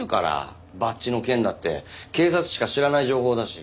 バッジの件だって警察しか知らない情報だし。